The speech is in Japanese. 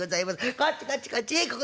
こっちこっちこっちここですよ。